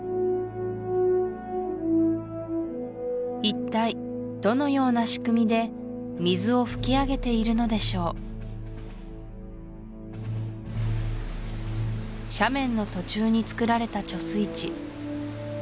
一体どのような仕組みで水を噴き上げているのでしょう斜面の途中につくられた貯水池